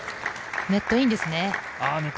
ネットインですね。